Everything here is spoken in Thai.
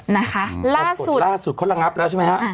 นั่นแหละต้องกดล่าสุดข้อละงับแล้วใช่ไหมครับ